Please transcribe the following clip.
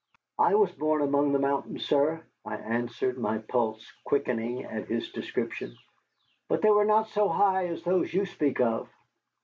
"I was born amongst the mountains, sir," I answered, my pulse quickening at his description, "but they were not so high as those you speak of."